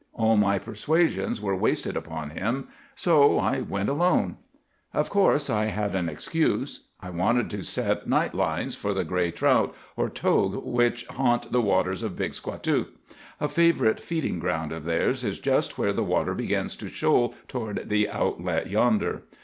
All my persuasions were wasted upon him, so I went alone. "Of course I had an excuse. I wanted to set night lines for the gray trout, or togue, which haunt the waters of Big Squatook. A favorite feeding ground of theirs is just where the water begins to shoal toward the outlet yonder.